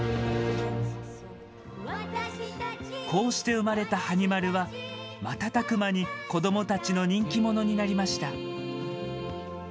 こうして生まれた、はに丸は瞬く間に子どもたちの人気者になりました。